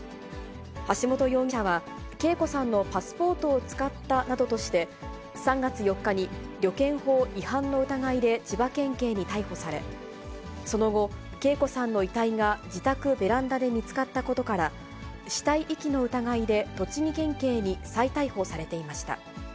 橋本容疑者は、啓子さんのパスポートを使ったなどとして、３月４日に旅券法違反の疑いで千葉県警に逮捕され、その後、啓子さんの遺体が自宅ベランダで見つかったことから、死体遺棄の疑いで栃木県警に再逮捕されていました。